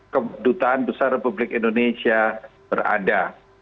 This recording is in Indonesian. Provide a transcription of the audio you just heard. kedutaan besar republik indonesia berada